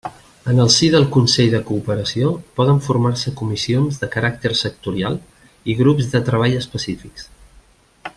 En el si del Consell de Cooperació poden formar-se comissions de caràcter sectorial i grups de treball específics.